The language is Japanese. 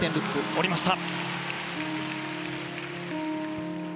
降りました！